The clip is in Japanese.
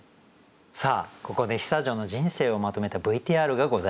さあここで久女の人生をまとめたＶＴＲがございます。